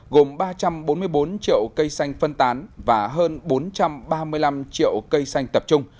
gồm ba trăm bốn mươi bốn triệu cây xanh phân tán và hơn bốn trăm ba mươi năm triệu cây xanh tập trung